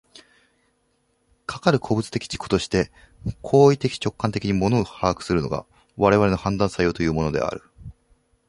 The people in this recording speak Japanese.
かかる個物的自己として行為的直観的に物を把握するのが、我々の判断作用というものである。